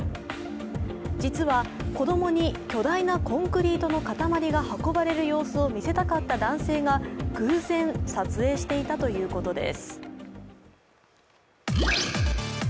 実は子供に巨大なコンクリートのかたまりが運ばれる様子を見せたかった男性が偶然撮影していたということです。